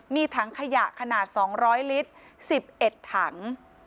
มีถังขยะขนาด๒๐๐ลิตร๑๑ถัง